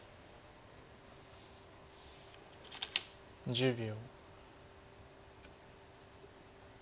１０秒。